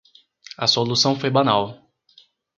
A solução foi banal.